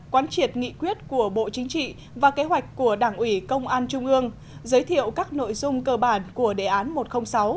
quán triệt nghị quyết của bộ chính trị và kế hoạch của đảng ủy công an trung ương giới thiệu các nội dung cơ bản của đề án một trăm linh sáu